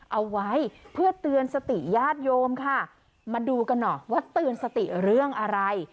เอาไว้เพื่อเตือนสติญาติโยมค่ะมาดูกันหน่อยว่าเตือนสติเรื่องอะไร